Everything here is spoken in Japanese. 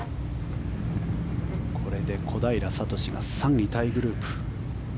これで小平智が３位タイグループ。